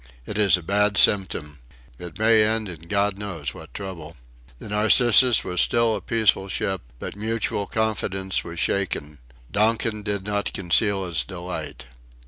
It is a bad symptom. It may end in God knows what trouble. The Narcissus was still a peaceful ship, but mutual confidence was shaken. Donkin did not conceal his delight.